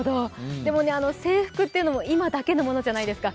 でもね、制服というのも今だけのものじゃないですか。